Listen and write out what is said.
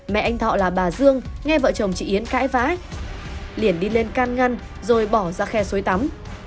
mẹ anh thọ là bà dương nghe vợ chồng chị yến cãi vã liền đi lên can ngăn rồi bỏ ra khe suối tắm